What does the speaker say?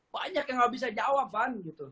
banyak yang gak bisa jawab van